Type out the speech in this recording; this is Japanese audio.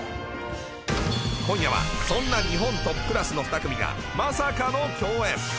今夜はそんな日本トップクラスの２組がまさかの共演。